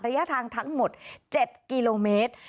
ระยะทางทั้งหมด๗กิโลเมตร